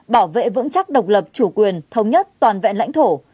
bảo vệ vững chắc độc lập chủ quyền thống nhất toàn vẹn lãnh thổ